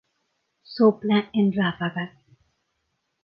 Sopla en ráfagas.